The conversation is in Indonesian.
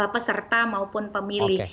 peserta maupun pemilih